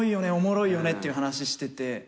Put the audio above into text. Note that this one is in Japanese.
おもろいよねっていう話してて。